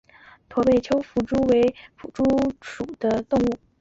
驼背丘腹蛛为球蛛科丘腹蛛属的动物。